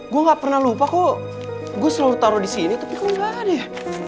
gue gak pernah lupa kok gue selalu taro disini tapi kok gak ada ya